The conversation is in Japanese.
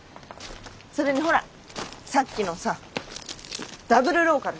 それにほらさっきのさダブルローカル！